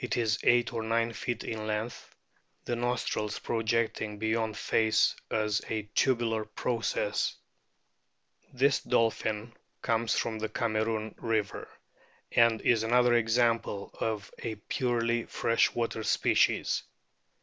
442, 272 A BOOK OF' WHALES is eight or nine feet in length, the nostrils projecting beyond face as a tubular process. This dolphin comes from the Cameroon river, and is another example of a purely fresh water species.